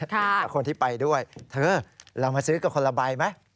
แต่คนที่ไปด้วยเธอเรามาซื้อกับคนละใบไหม